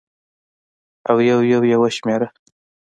او یو یو یې وشمېره